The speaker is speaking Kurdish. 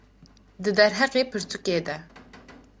di derheqê pirtûkê de